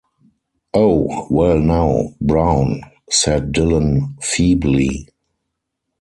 “Oh — well now — brown,” said Dylan feebly.